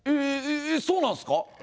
そうなんすか。